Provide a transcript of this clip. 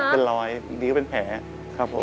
เป็นรอยนิ้วเป็นแผลครับผม